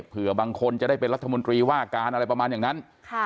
เผื่อบางคนจะได้เป็นรัฐมนตรีว่าการอะไรประมาณอย่างนั้น